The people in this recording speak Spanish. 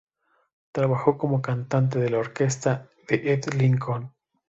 Trabajó como cantante de la orquesta de Ed Lincoln.